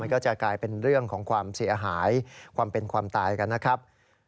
ก็จะกลายเป็นเรื่องของความเสียหายความเป็นความตายกันนะครับ